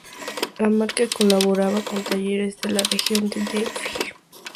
La marca colabora con talleres de la región de Delhi.